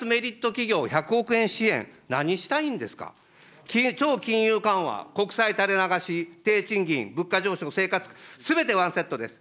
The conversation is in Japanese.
企業１００億円支援、何したいんですか、超金融緩和、国債垂れ流し、低賃金、物価上昇、生活苦、すべてワンセットです。